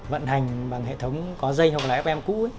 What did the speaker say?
vận hành bằng hệ thống có dây hoặc là fm cũ